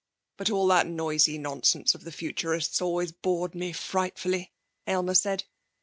But all that noisy nonsense of the Futurists always bored me frightfully,' Aylmer said.